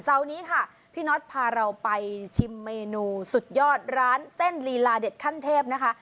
นี้ค่ะพี่น็อตพาเราไปชิมเมนูสุดยอดร้านเส้นลีลาเด็ดขั้นเทพนะคะ